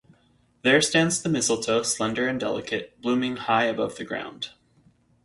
There stands the mistletoe slender and delicate, blooming high above the ground.